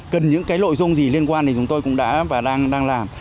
cần những cái nội dung gì liên quan thì chúng tôi cũng đã và đang làm